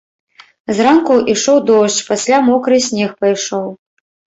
Зранку ішоў дождж, пасля мокры снег пайшоў.